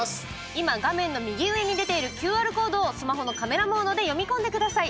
今、画面の右上に出ているＱＲコードをスマホのカメラモードで読み込んでください。